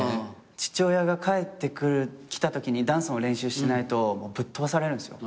父親が帰ってきたときにダンスの練習してないとぶっ飛ばされるんですよ。